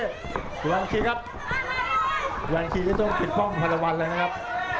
อีวานเครีย์ครับอีวานเครีย์ก็ต้องผิดป้องภารวัลเลยนะครับ